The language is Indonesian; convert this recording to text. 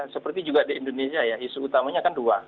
seperti juga di indonesia ya isu utamanya kan dua